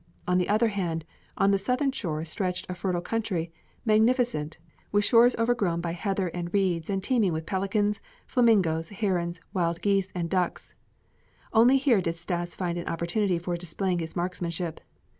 On the other hand, on the southern shore stretched a fertile country, magnificent, with shores overgrown by heather and reeds and teeming with pelicans, flamingoes, herons, wild geese, and ducks. Only here did Stas find an opportunity for displaying his marksmanship.